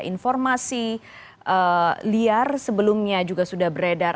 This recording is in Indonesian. informasi liar sebelumnya juga sudah beredar